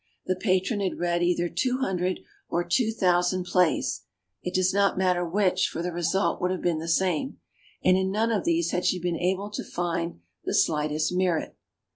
The patron had read either two hundred or two thousand plays (it does not matter which, for the result would have been the same), and in none of these had she been able to find the slightest merit.